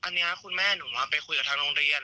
อันนี้คุณแม่หนูไปคุยกับทางโรงเรียน